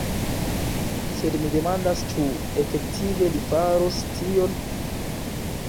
Sed mi demandas ĉu efektive li faros tion?